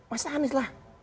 mas anies lah